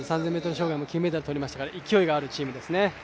３０００ｍ障害も金メダルとりましたから勢いのあるチームですね。